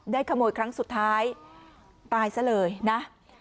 ขโมยครั้งสุดท้ายตายซะเลยนะ